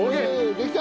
できた！